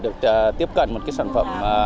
được tiếp cận một cái sản phẩm